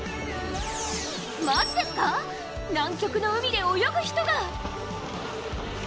マジですか、南極の海で泳ぐ人が！？